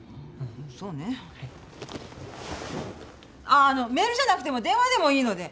ああのメールじゃなくても電話でもいいので。